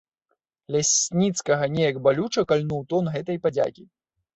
Лясніцкага неяк балюча кальнуў тон гэтай падзякі.